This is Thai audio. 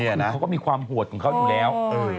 เขาก็มีความโหดของเขาอยู่แล้ว